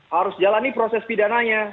harus jalani proses pidananya